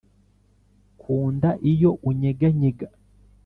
kunda iyo unyeganyega.